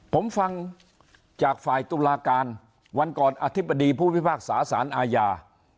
ผมฟังจากฝ่ายตุลาการวันก่อนอธิบดีผู้พิพากษาสารอาญา